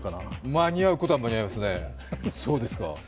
間に合うことは間に合いますね、そうですか。